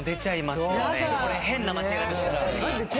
変な間違え方したら。